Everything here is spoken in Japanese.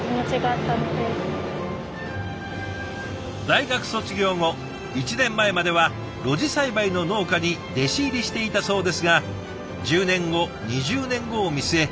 大学卒業後１年前までは露地栽培の農家に弟子入りしていたそうですが１０年後２０年後を見据え